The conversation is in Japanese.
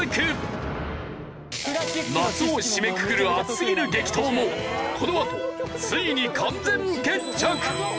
夏を締めくくる熱すぎる激闘もこのあとついに完全決着！